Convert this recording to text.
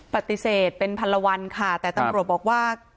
ปฏิเสธเป็นพันละวันค่ะแต่ตำรวจบอกว่า